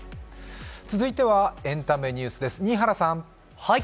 続いてはエンタメニュースです、新原さん。